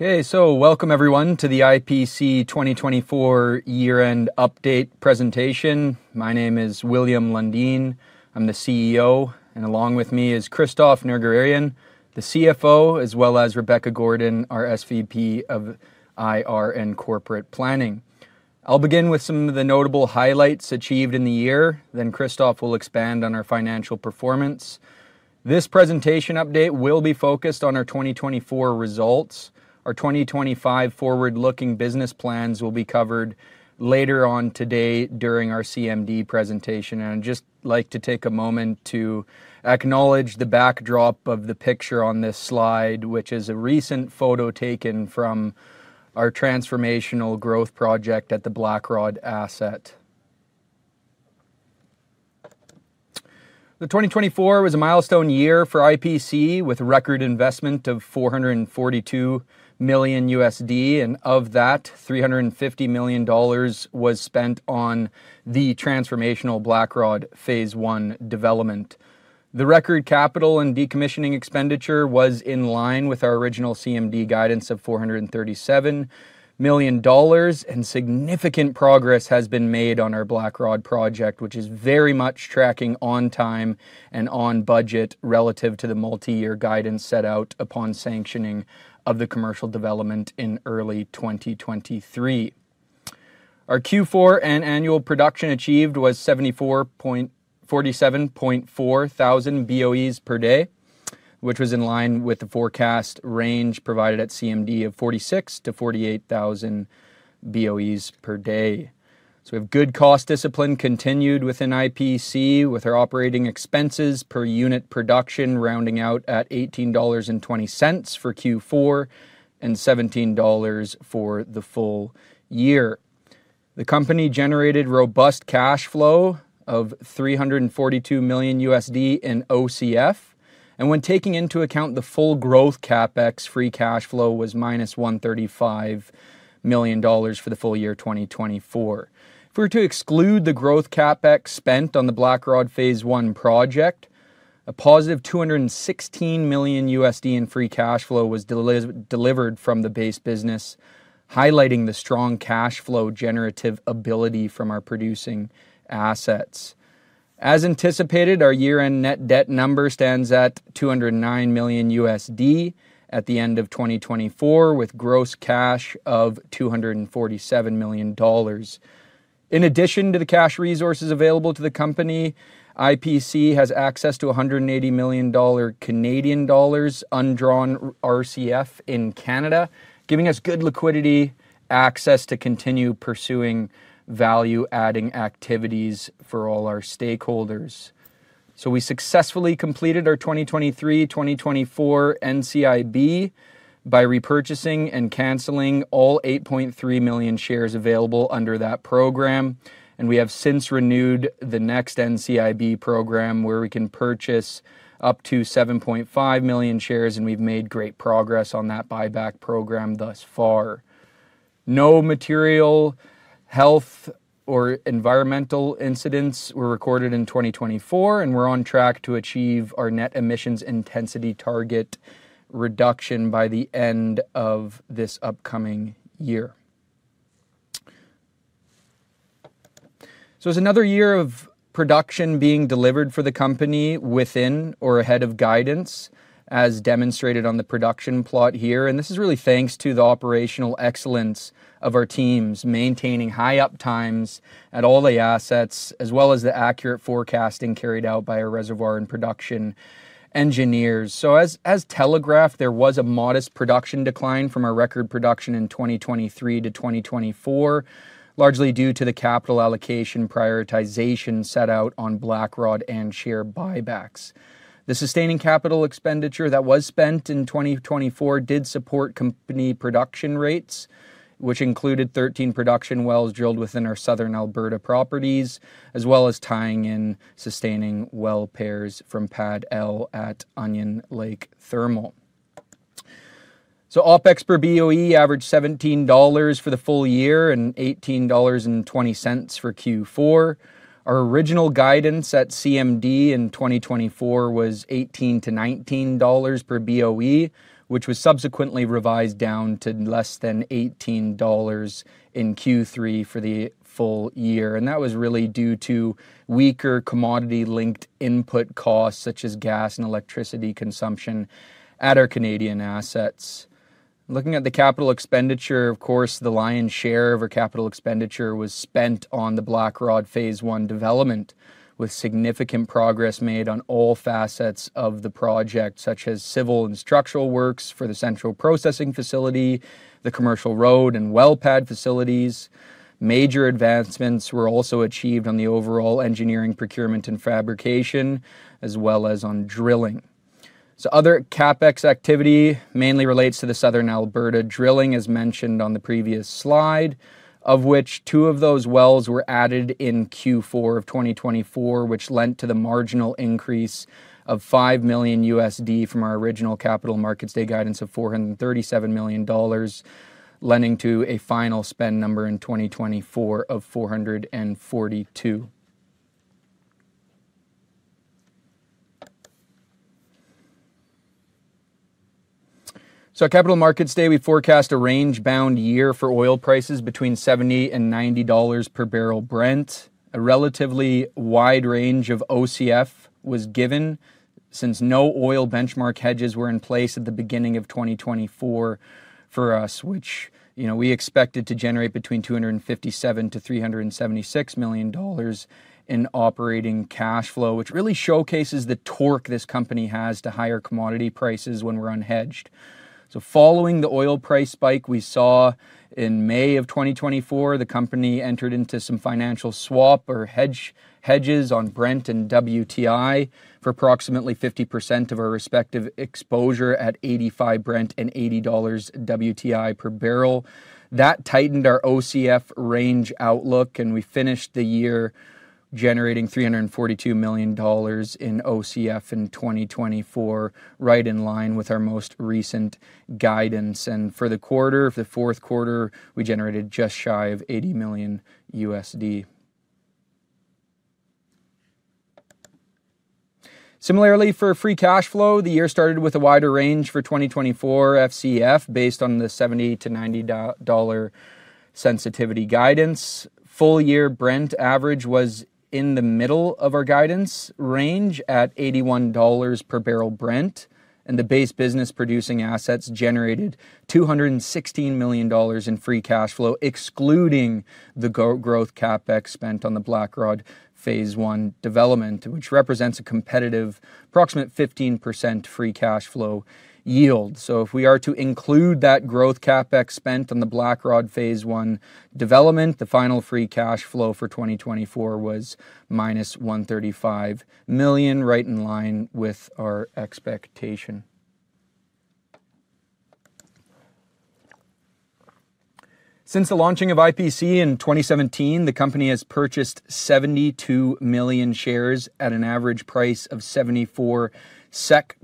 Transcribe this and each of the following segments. Okay, so welcome everyone to the IPC 2024 year-end update presentation. My name is William Lundin. I'm the CEO, and along with me is Christophe Nerguararian, the CFO, as well as Rebecca Gordon, our SVP of IR and Corporate Planning. I'll begin with some of the notable highlights achieved in the year, then Christophe will expand on our financial performance. This presentation update will be focused on our 2024 results. Our 2025 forward-looking business plans will be covered later on today during our CMD presentation. And I'd just like to take a moment to acknowledge the backdrop of the picture on this slide, which is a recent photo taken from our transformational growth project at the Blackrod asset. The 2024 was a milestone year for IPC, with a record investment of $442 million, and of that, $350 million was spent on the transformational Blackrod Phase One development. The record capital and decommissioning expenditure was in line with our original CMD guidance of $437 million, and significant progress has been made on our Blackrod project, which is very much tracking on time and on budget relative to the multi-year guidance set out upon sanctioning of the commercial development in early 2023. Our Q4 annual production achieved was 74,474,000 BOEs per day, which was in line with the forecast range provided at CMD of 46,000 to 48,000 BOEs per day. So we have good cost discipline continued within IPC, with our operating expenses per unit production rounding out at $18.20 for Q4 and $17 for the full year. The company generated robust cash flow of $342 million USD in OCF, and when taking into account the full growth CapEx free cash flow was $135 million for the full year 2024. If we were to exclude the growth CapEx spent on the Blackrod Phase One project, a positive $216 million in free cash flow was delivered from the base business, highlighting the strong cash flow generative ability from our producing assets. As anticipated, our year-end net debt number stands at $209 million at the end of 2024, with gross cash of $247 million. In addition to the cash resources available to the company, IPC has access to 180 million Canadian dollars undrawn RCF in Canada, giving us good liquidity access to continue pursuing value-adding activities for all our stakeholders. So we successfully completed our 2023-2024 NCIB by repurchasing and canceling all 8.3 million shares available under that program, and we have since renewed the next NCIB program where we can purchase up to 7.5 million shares, and we've made great progress on that buyback program thus far. No material, health, or environmental incidents were recorded in 2024, and we're on track to achieve our net emissions intensity target reduction by the end of this upcoming year, so it's another year of production being delivered for the company within or ahead of guidance, as demonstrated on the production plot here, and this is really thanks to the operational excellence of our teams maintaining high uptimes at all the assets, as well as the accurate forecasting carried out by our reservoir and production engineers, so as telegraphed, there was a modest production decline from our record production in 2023 to 2024, largely due to the capital allocation prioritization set out on Blackrod and share buybacks. The sustaining capital expenditure that was spent in 2024 did support company production rates, which included 13 production wells drilled within our Southern Alberta properties, as well as tying in sustaining well pairs from Pad L at Onion Lake Thermal. OpEx per BOE averaged $17 for the full year and $18.20 for Q4. Our original guidance at CMD in 2024 was $18-$19 per BOE, which was subsequently revised down to less than $18 in Q3 for the full year. That was really due to weaker commodity-linked input costs, such as gas and electricity consumption at our Canadian assets. Looking at the capital expenditure, of course, the lion's share of our capital expenditure was spent on the Blackrod Phase One development, with significant progress made on all facets of the project, such as civil and structural works for the central processing facility, the commercial road and well pad facilities. Major advancements were also achieved on the overall engineering procurement and fabrication, as well as on drilling. Other CapEx activity mainly relates to the Southern Alberta drilling, as mentioned on the previous slide, of which two of those wells were added in Q4 of 2024, which lent to the marginal increase of $5 million from our original Capital Markets Day guidance of $437 million, lending to a final spend number in 2024 of $442 million. At Capital Markets Day, we forecast a range-bound year for oil prices between $70 and $90 per barrel Brent. A relatively wide range of OCF was given since no oil benchmark hedges were in place at the beginning of 2024 for us, which, you know, we expected to generate between $257-$376 million in operating cash flow, which really showcases the torque this company has to higher commodity prices when we're unhedged. Following the oil price spike we saw in May of 2024, the company entered into some financial swap or hedges on Brent and WTI for approximately 50% of our respective exposure at $85 Brent and $80 WTI per barrel. That tightened our OCF range outlook, and we finished the year generating $342 million in OCF in 2024, right in line with our most recent guidance. For the quarter of the fourth quarter, we generated just shy of $80 million USD. Similarly, for free cash flow, the year started with a wider range for 2024 FCF based on the $70-$90 sensitivity guidance. Full year Brent average was in the middle of our guidance range at $81 per barrel Brent, and the base business producing assets generated $216 million in free cash flow, excluding the growth CapEx spent on the Blackrod Phase I development, which represents a competitive approximate 15% free cash flow yield. So if we are to include that growth CapEx spent on the Blackrod Phase I development, the final free cash flow for 2024 was minus $135 million, right in line with our expectation. Since the launching of IPC in 2017, the company has purchased 72 million shares at an average price of $74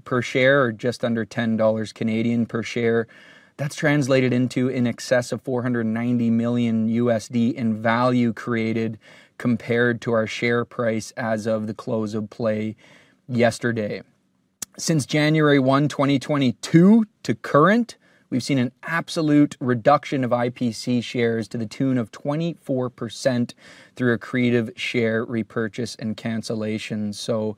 per share, or just under 10 Canadian dollars per share. That's translated into in excess of $490 million USD in value created compared to our share price as of the close of play yesterday. Since January 1, 2022, to current, we've seen an absolute reduction of IPC shares to the tune of 24% through a creative share repurchase and cancellation. So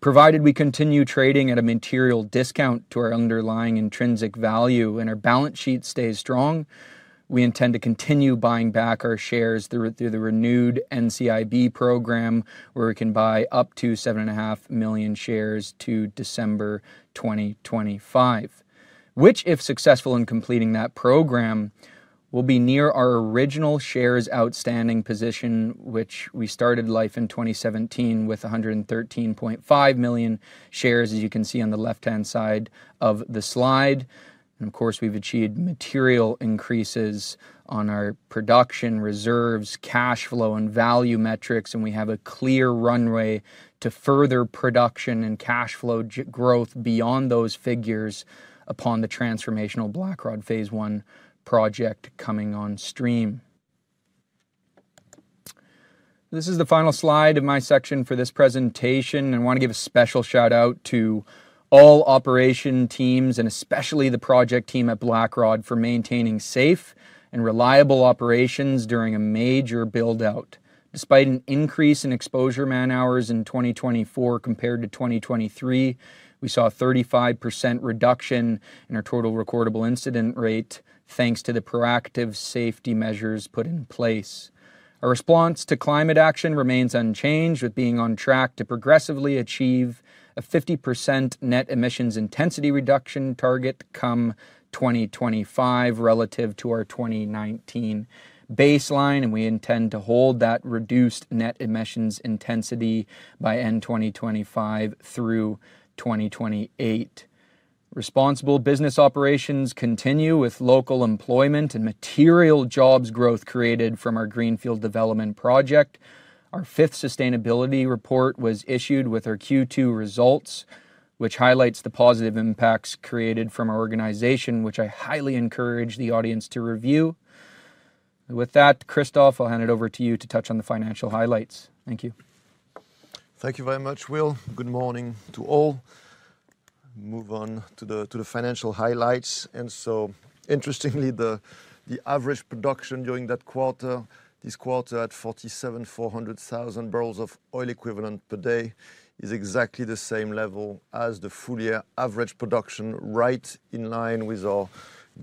provided we continue trading at a material discount to our underlying intrinsic value and our balance sheet stays strong, we intend to continue buying back our shares through the renewed NCIB program, where we can buy up to 7.5 million shares to December 2025, which, if successful in completing that program, will be near our original shares outstanding position, which we started life in 2017 with 113.5 million shares, as you can see on the left-hand side of the slide. Of course, we've achieved material increases on our production reserves, cash flow, and value metrics, and we have a clear runway to further production and cash flow growth beyond those figures upon the transformational Blackrod Phase I project coming on stream. This is the final slide of my section for this presentation, and I want to give a special shout-out to all operation teams and especially the project team at Blackrod for maintaining safe and reliable operations during a major build-out. Despite an increase in exposure man-hours in 2024 compared to 2023, we saw a 35% reduction in our Total Recordable Incident Rate thanks to the proactive safety measures put in place. Our response to climate action remains unchanged, with being on track to progressively achieve a 50% net emissions intensity reduction target come 2025 relative to our 2019 baseline, and we intend to hold that reduced net emissions intensity by end 2025 through 2028. Responsible business operations continue with local employment and material jobs growth created from our greenfield development project. Our fifth sustainability report was issued with our Q2 results, which highlights the positive impacts created from our organization, which I highly encourage the audience to review. With that, Christophe, I'll hand it over to you to touch on the financial highlights. Thank you. Thank you very much, Will. Good morning to all. Move on to the financial highlights. And so, interestingly, the average production during that quarter, this quarter at 47,400,000 barrels of oil equivalent per day is exactly the same level as the full year average production, right in line with our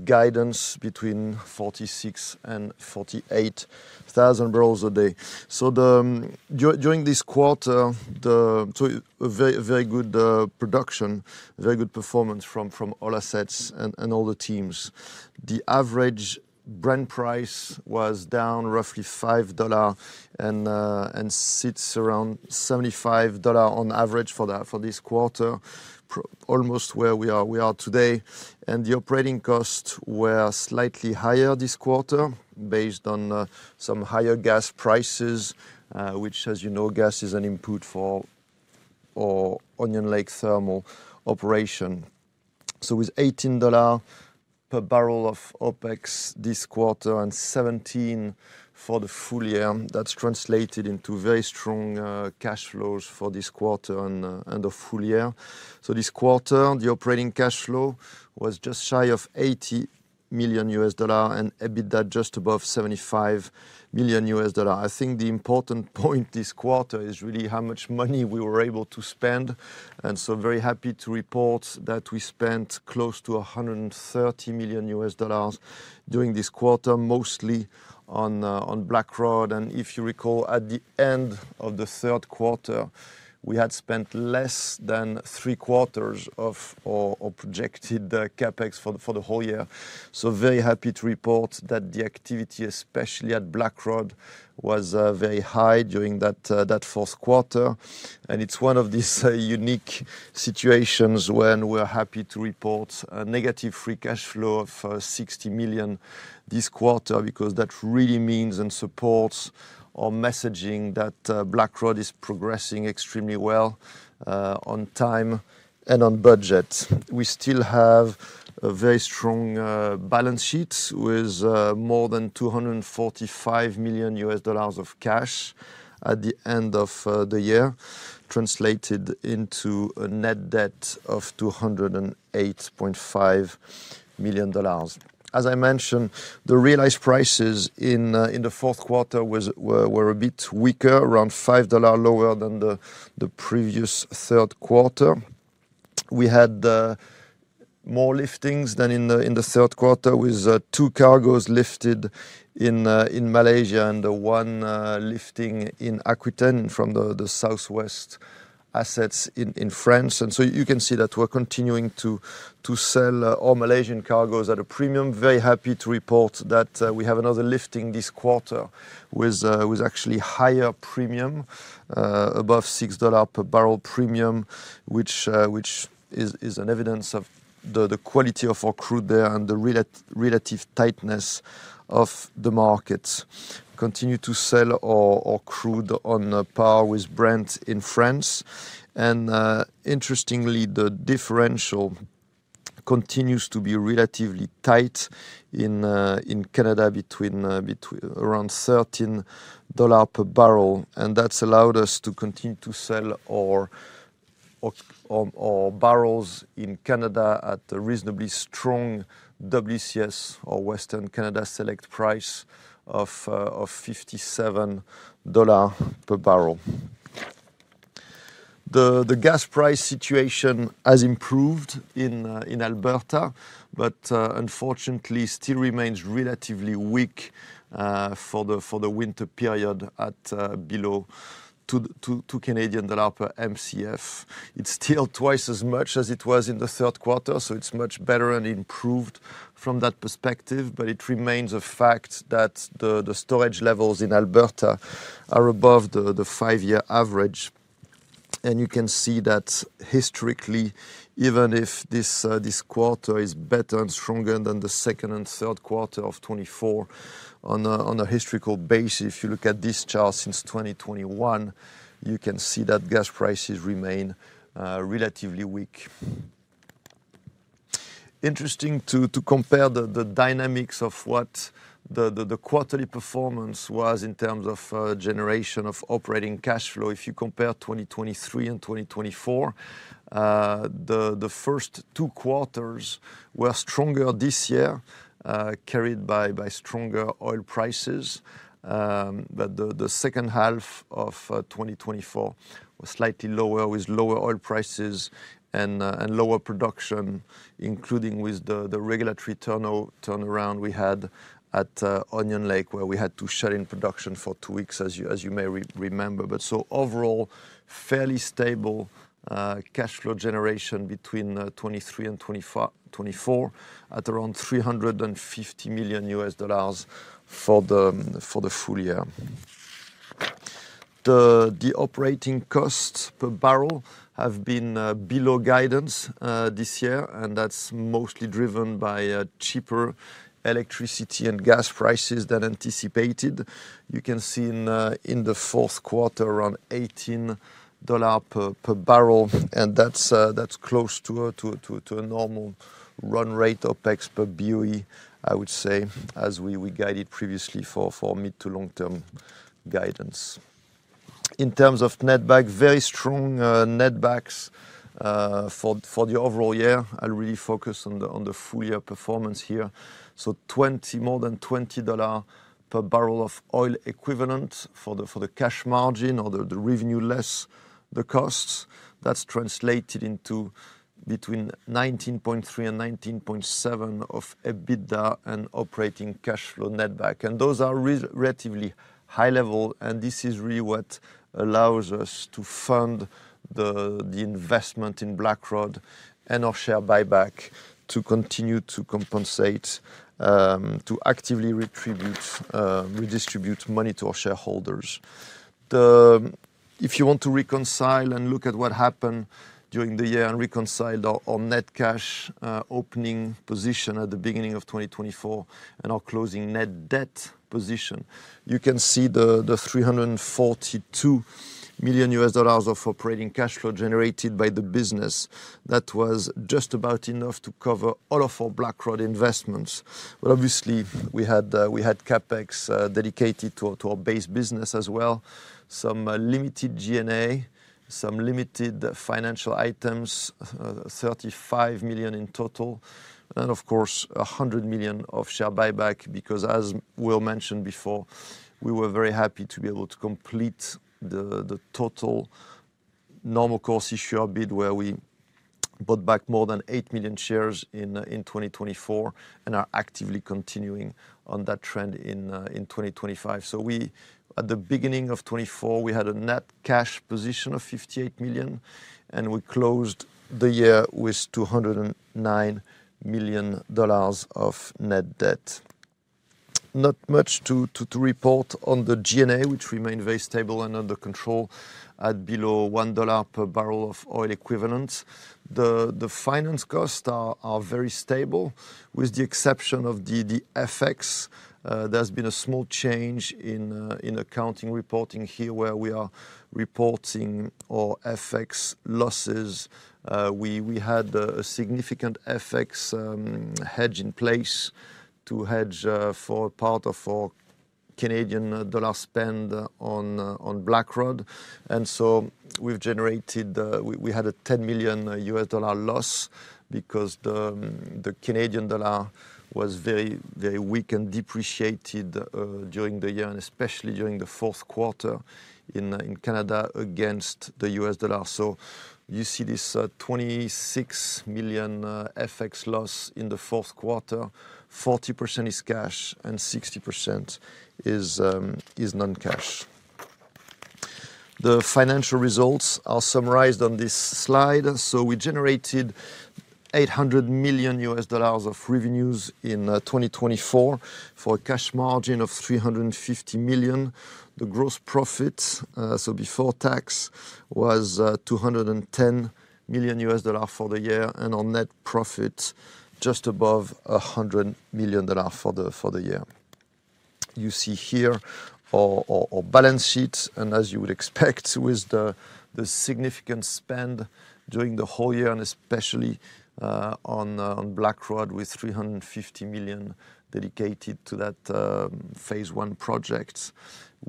guidance between 46,000 and 48,000 barrels a day. So during this quarter, a very good production, very good performance from all assets and all the teams. The average Brent price was down roughly $5 and sits around $75 on average for this quarter, almost where we are today. And the operating costs were slightly higher this quarter based on some higher gas prices, which, as you know, gas is an input for Onion Lake Thermal Operation. So with $18 per barrel of OpEx this quarter and $17 for the full year, that's translated into very strong cash flows for this quarter and the full year. This quarter, the operating cash flow was just shy of $80 million and EBITDA just above $75 million. I think the important point this quarter is really how much money we were able to spend. And so very happy to report that we spent close to $130 million during this quarter, mostly on Blackrod. And if you recall, at the end of the third quarter, we had spent less than three quarters of our projected CapEx for the whole year. So very happy to report that the activity, especially at Blackrod, was very high during that fourth quarter. And it's one of these unique situations when we're happy to report a negative free cash flow of $60 million this quarter because that really means and supports our messaging that Blackrod is progressing extremely well on time and on budget. We still have a very strong balance sheet with more than $245 million of cash at the end of the year, translated into a net debt of $208.5 million. As I mentioned, the realized prices in the fourth quarter were a bit weaker, around $5 lower than the previous third quarter. We had more liftings than in the third quarter, with two cargoes lifted in Malaysia and one lifting in Aquitaine from the southwest assets in France. And so you can see that we're continuing to sell all Malaysian cargoes at a premium. Very happy to report that we have another lifting this quarter with actually higher premium, above $6 per barrel premium, which is an evidence of the quality of our crude there and the relative tightness of the markets. Continue to sell our crude on par with Brent in France. Interestingly, the differential continues to be relatively tight in Canada between around $13 per barrel. That's allowed us to continue to sell our barrels in Canada at a reasonably strong WCS, our Western Canadian Select price of $57 per barrel. The gas price situation has improved in Alberta, but unfortunately still remains relatively weak for the winter period at below 2 Canadian dollar per MCF. It's still twice as much as it was in the third quarter, so it's much better and improved from that perspective, but it remains a fact that the storage levels in Alberta are above the five-year average. You can see that historically, even if this quarter is better and stronger than the second and third quarter of 2024, on a historical basis, if you look at this chart since 2021, you can see that gas prices remain relatively weak. Interesting to compare the dynamics of what the quarterly performance was in terms of generation of operating cash flow. If you compare 2023 and 2024, the first two quarters were stronger this year, carried by stronger oil prices, but the second half of 2024 was slightly lower, with lower oil prices and lower production, including with the regulatory turnaround we had at Onion Lake, where we had to shut in production for two weeks, as you may remember. But so overall, fairly stable cash flow generation between 2023 and 2024 at around $350 million for the full year. The operating costs per barrel have been below guidance this year, and that's mostly driven by cheaper electricity and gas prices than anticipated. You can see in the fourth quarter around $18 per barrel, and that's close to a normal run rate OpEx per BOE, I would say, as we guided previously for mid to long-term guidance. In terms of netback, very strong netbacks for the overall year. I'll really focus on the full year performance here, so more than $20 per barrel of oil equivalent for the cash margin or the revenue less the costs, that's translated into between $19.3-$19.7 of EBITDA and operating cash flow netback, and those are relatively high level, and this is really what allows us to fund the investment in Blackrod and our share buyback to continue to compensate, to actively redistribute money to our shareholders. If you want to reconcile and look at what happened during the year and reconcile our net cash opening position at the beginning of 2024 and our closing net debt position, you can see the $342 million of operating cash flow generated by the business. That was just about enough to cover all of our Blackrod investments. But obviously, we had CapEx dedicated to our base business as well, some limited G&A, some limited financial items, $35 million in total, and of course, $100 million of share buyback because, as Will mentioned before, we were very happy to be able to complete the total Normal Course Issuer Bid where we bought back more than eight million shares in 2024 and are actively continuing on that trend in 2025. At the beginning of 2024, we had a net cash position of $58 million, and we closed the year with $209 million of net debt. Not much to report on the G&A, which remained very stable and under control at below $1 per barrel of oil equivalent. The finance costs are very stable with the exception of the FX. There's been a small change in accounting reporting here where we are reporting our FX losses. We had a significant FX hedge in place to hedge for a part of our Canadian dollar spend on Blackrod. And so we had a $10 million USD loss because the Canadian dollar was very, very weak and depreciated during the year, and especially during the fourth quarter in Canada against the USD. You see this $26 million FX loss in the fourth quarter. 40% is cash and 60% is non-cash. The financial results are summarized on this slide, so we generated $800 million of revenues in 2024 for a cash margin of $350 million. The gross profit, so before tax, was $210 million for the year and our net profit just above $100 million for the year. You see here our balance sheet, and as you would expect, with the significant spend during the whole year and especially on Blackrod with $350 million dedicated to that phase I project.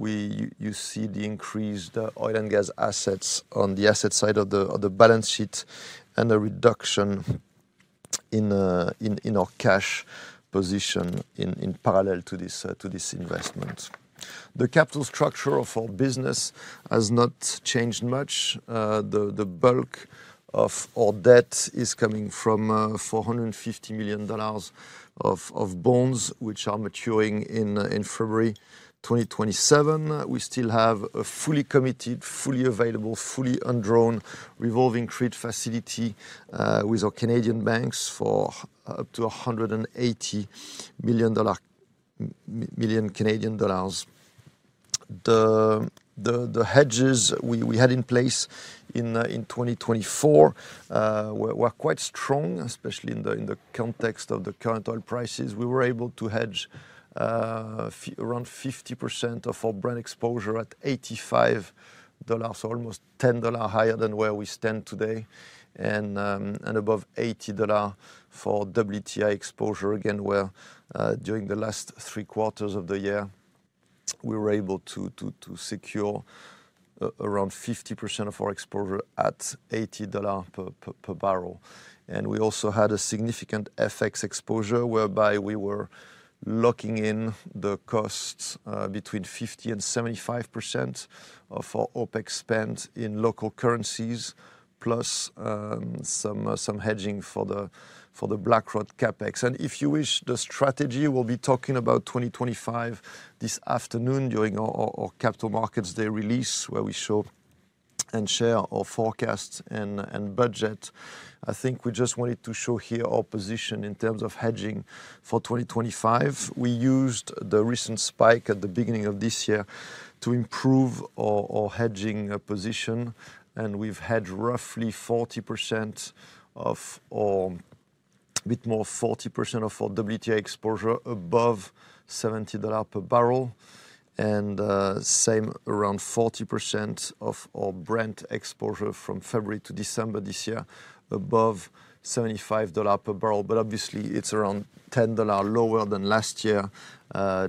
You see the increased oil and gas assets on the asset side of the balance sheet and the reduction in our cash position in parallel to this investment. The capital structure of our business has not changed much. The bulk of our debt is coming from $450 million of bonds, which are maturing in February 2027. We still have a fully committed, fully available, fully undrawn revolving credit facility with our Canadian banks for up to 180 million dollar. The hedges we had in place in 2024 were quite strong, especially in the context of the current oil prices. We were able to hedge around 50% of our Brent exposure at $85, so almost $10 higher than where we stand today, and above $80 for WTI exposure, again, where during the last three quarters of the year, we were able to secure around 50% of our exposure at $80 per barrel, and we also had a significant FX exposure whereby we were locking in the costs between 50% and 75% of our OpEx spend in local currencies, plus some hedging for the Blackrod CapEx. If you wish, the strategy we'll be talking about 2025 this afternoon during our Capital Markets Day release, where we show and share our forecasts and budget. I think we just wanted to show here our position in terms of hedging for 2025. We used the recent spike at the beginning of this year to improve our hedging position, and we've had roughly 40% of, or a bit more 40% of our WTI exposure above $70 per barrel, and same around 40% of our Brent exposure from February to December this year, above $75 per barrel. But obviously, it's around $10 lower than last year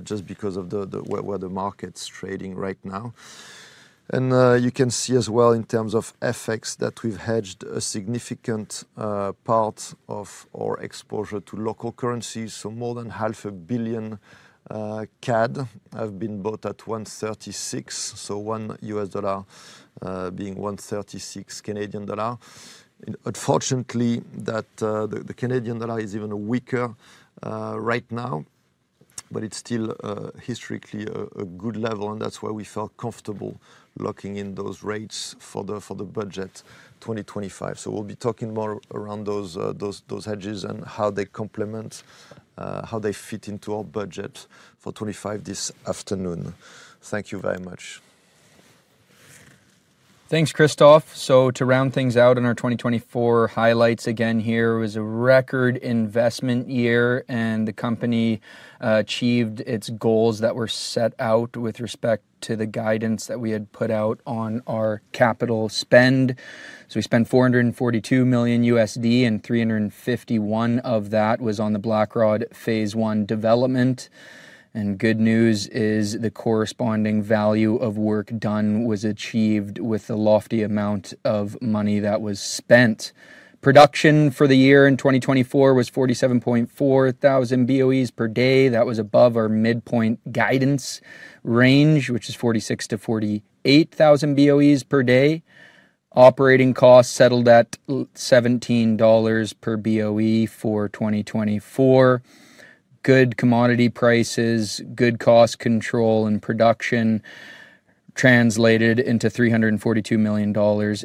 just because of where the market's trading right now. You can see as well in terms of FX that we've hedged a significant part of our exposure to local currencies. More than 500 million CAD have been bought at $1.36, so one U.S. dollar being 1.36 Canadian dollar. Unfortunately, the Canadian dollar is even weaker right now, but it's still historically a good level, and that's why we felt comfortable locking in those rates for the budget 2025. We'll be talking more around those hedges and how they complement, how they fit into our budget for 2025 this afternoon. Thank you very much. Thanks, Christophe. To round things out in our 2024 highlights again here, it was a record investment year, and the company achieved its goals that were set out with respect to the guidance that we had put out on our capital spend. We spent $442 million, and $351 million of that was on the Blackrod Phase I development. Good news is the corresponding value of work done was achieved with the lofty amount of money that was spent. Production for the year in 2024 was 47,400 BOEs per day. That was above our midpoint guidance range, which is 46,000-48,000 BOEs per day. Operating costs settled at $17 per BOE for 2024. Good commodity prices, good cost control and production translated into $342 million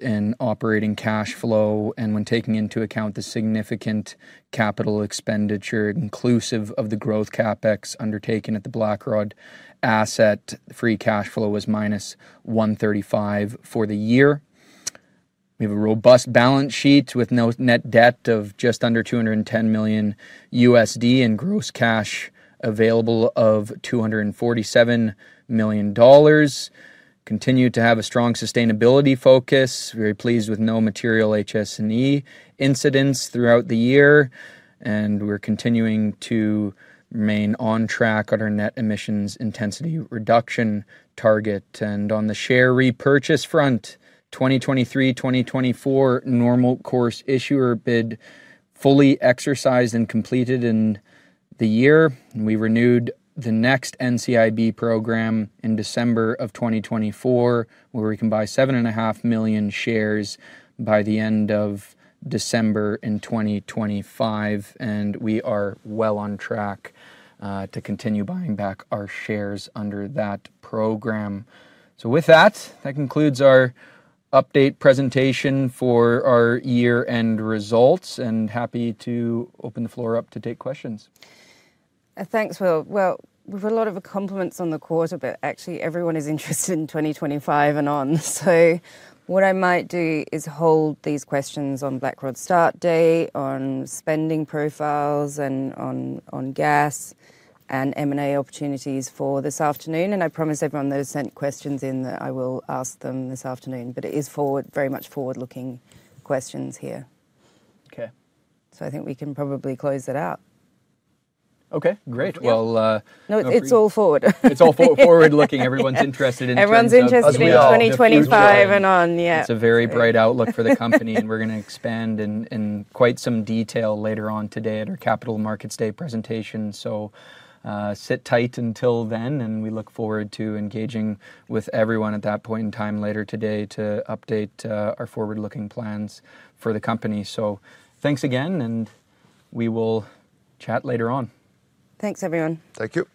in operating cash flow. When taking into account the significant capital expenditure, inclusive of the growth CapEx undertaken at the Blackrod asset, free cash flow was minus $135 for the year. We have a robust balance sheet with net debt of just under $210 million USD and gross cash available of $247 million. We continue to have a strong sustainability focus. Very pleased with no material HS&E incidents throughout the year, and we're continuing to remain on track on our net emissions intensity reduction target. On the share repurchase front, 2023-2024 Normal Course Issuer Bid fully exercised and completed in the year. We renewed the next NCIB program in December of 2024, where we can buy 7.5 million shares by the end of December in 2025, and we are well on track to continue buying back our shares under that program. With that, that concludes our update presentation for our year-end results, and happy to open the floor up to take questions. Thanks, Will. We've had a lot of compliments on the quarter, but actually everyone is interested in 2025 and on. What I might do is hold these questions on Blackrod start date, on spending profiles, and on gas and M&A opportunities for this afternoon. I promise everyone those sent questions in that I will ask them this afternoon, but it is very much forward-looking questions here. Okay. I think we can probably close that out. Okay, great. Well. It's all forward. It's all forward-looking. Everyone's interested in 2025. Everyone's interested in 2025 and on, yeah. It's a very bright outlook for the company, and we're going to expand in quite some detail later on today at our Capital Markets Day presentation. Sit tight until then, and we look forward to engaging with everyone at that point in time later today to update our forward-looking plans for the company. Thanks again, and we will chat later on. Thanks, everyone. Thank you.